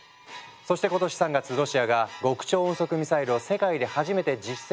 そして今年３月ロシアが極超音速ミサイルを世界で初めて実戦で使用。